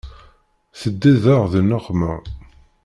Teddiḍ-aɣ di nneqma.